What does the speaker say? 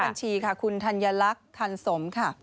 บัญชีค่ะคุณธัญลักษณ์ทันสมค่ะ